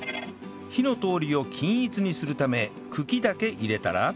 火の通りを均一にするため茎だけ入れたら